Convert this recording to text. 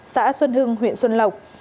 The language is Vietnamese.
xã xuân hưng huyện xuân lộc